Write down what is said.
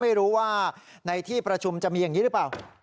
ไม่รู้ว่าในที่ประชุมจะมีอย่างนี้หรือเปล่า